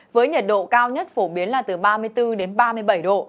với nhiệt độ cao nhất phổ biến là từ ba mươi bốn đến ba mươi bảy độ